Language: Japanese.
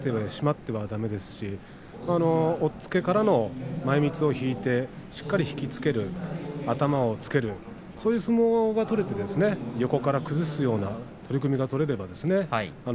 若隆景差してしまってはだめですし押っつけからの前みつを引いてしっかり引き付ける頭をつけるそういう相撲が取れて横から崩すような取組が取れればですね。